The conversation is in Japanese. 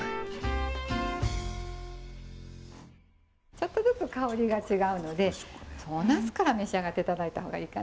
ちょっとずつ香りが違うのでおナスから召し上がって頂いた方がいいかな。